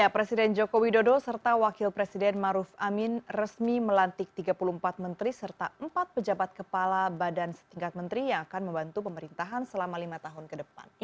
presiden joko widodo serta wakil presiden maruf amin resmi melantik tiga puluh empat menteri serta empat pejabat kepala badan setingkat menteri yang akan membantu pemerintahan selama lima tahun ke depan